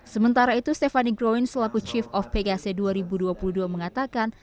sementara itu stephanie growin selaku chief of pegac dua ribu dua puluh dua mengatakan